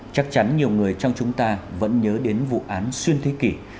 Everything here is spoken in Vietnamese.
chắc chắn nhiều người trong chúng ta vẫn nhớ đến vụ án xuyên thế kỷ